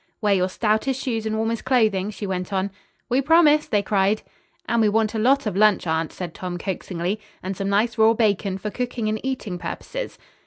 "Wear your stoutest shoes and warmest clothing," she went on. "We promise," they cried. "And we want a lot of lunch, aunt," said Tom coaxingly, "and some nice raw bacon for cooking and eating purposes."